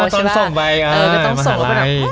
ตอนส่งใบมหาลัย